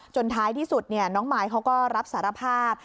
ท้ายที่สุดน้องมายเขาก็รับสารภาพ